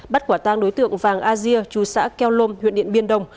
bắt quả tăng đối tượng vàng asia chú xã keo lom huyện điện biên đông